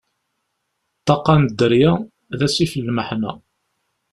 Ṭṭaqqa n dderya, d asif n lmeḥna.